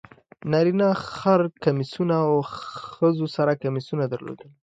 نارینه خر کمیسونه او ښځو سره کمیسونه درلودل.